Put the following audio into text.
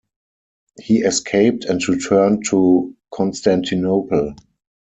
He escaped and returned to Constantinople.